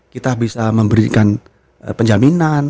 kita bisa memberikan penjaminan